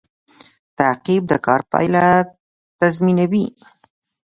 تعقیب د کار پایله تضمینوي